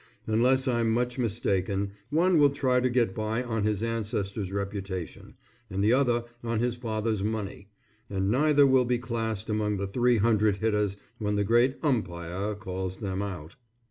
Unless I'm much mistaken, one will try to get by on his ancestors' reputation, and the other on his father's money, and neither will be classed among the three hundred hitters when the great Umpire calls them out.